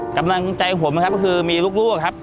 กำลังใจผมนะครับก็คือมีลูกครับ